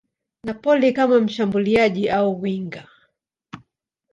Napoli kama mshambuliaji au winga.